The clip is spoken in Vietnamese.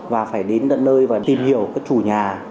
và phải đến tận nơi và tìm hiểu các chủ nhà